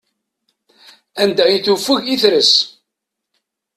Anda i tufeg i tres.